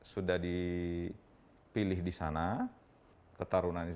sudah dipilih di sana ketarunannya